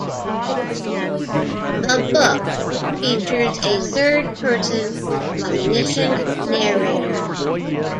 The book features a third-person omniscient narrator.